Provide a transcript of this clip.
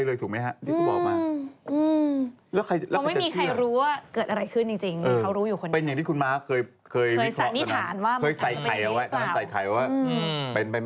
อืมถอดใจก็ไม่ได้ใช่ไหม